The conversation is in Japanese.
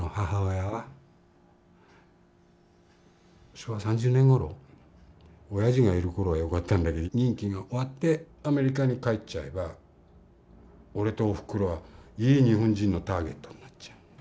昭和３０年ごろおやじがいる頃はよかったんだけど任期が終わってアメリカに帰っちゃえば俺とおふくろはいい日本人のターゲットになっちゃう。